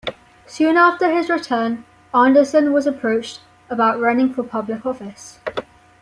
Soon after his return, Anderson was approached about running for public office.